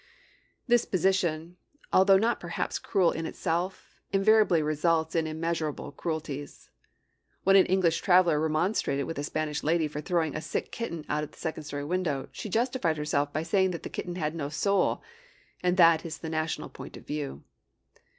This position, although not perhaps cruel in itself, inevitably results in immeasurable cruelties. When an English traveler remonstrated with a Spanish lady for throwing a sick kitten out of the second story window, she justified herself by saying that the kitten had no soul; and that is the national point of view.